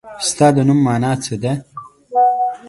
ستا د نوم مانا څه ده ؟